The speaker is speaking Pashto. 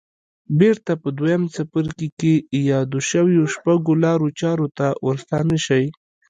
بېرته په دويم څپرکي کې يادو شويو شپږو لارو چارو ته ورستانه شئ.